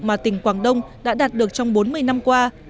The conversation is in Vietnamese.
mà tỉnh quảng đông đã đạt được trong bốn mươi năm qua